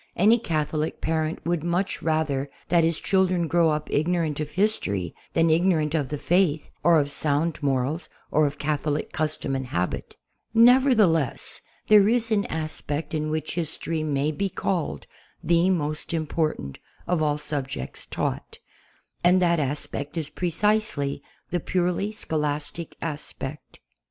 Any Catholic parent would much rather that his children grow up ig norant of history than ignorant of the Faith or of sound morals, or of Catholic custom and habit. Nevertheless, there is an aspect in which history may be called the most important of all subjects taught. And that aspect is pre cisely the purely scholastic aspect.